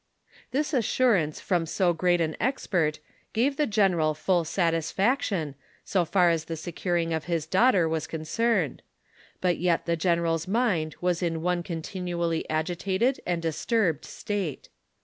This assurance from so great an expert gave the general full satisfaction, so far as the securing of his daughter was concerned ; but yet the general's mind was in one contin ually agitated and disturbed state.